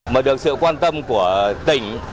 mở được sự quan tâm của tỉnh